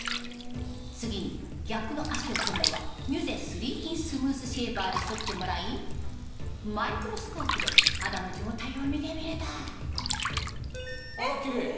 次に逆の脚を今度はミュゼ３ｉｎスムースシェーバーで剃ってもらいマイクロスコープで肌の状態を見てみるとあらキレイ！